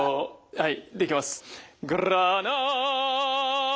はい。